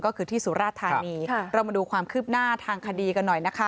ก็คือที่สุราธานีเรามาดูความคืบหน้าทางคดีกันหน่อยนะคะ